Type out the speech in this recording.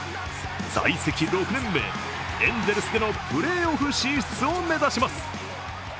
在籍６年目、エンゼルスでのプレーオフ進出を目指します。